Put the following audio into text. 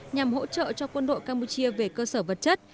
nhằm hỗ trợ cho quân đội campuchia về cơ sở vật chất